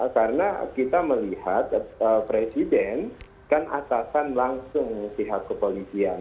karena kita melihat presiden kan atasan langsung pihak kepolisian